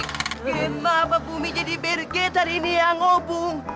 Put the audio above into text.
gimana bu jadi berge dari ini ya ngobung